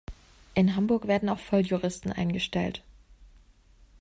In Hamburg werden auch Volljuristen eingestellt.